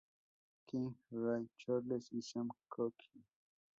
King, Ray Charles y Sam Cooke.